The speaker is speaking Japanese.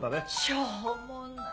しょうもない。